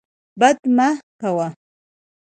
بد مه کوه.